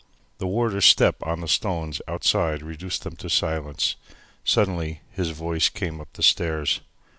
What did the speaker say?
The warder's step on the stones outside reduced them to silence. Suddenly his voice came up the stairs.